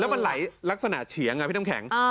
มันไหลลักษณะเฉียงพี่น้ำแข็ง